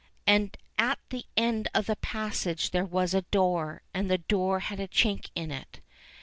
"And at the end of the passage there was a door, and the door had a chink in it.